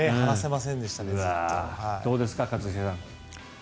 どうですか、一茂さん。